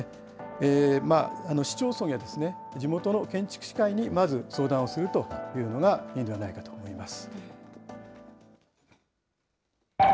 市町村や地元の建築士会にまず相談をするというのがいいんじゃないかと思います。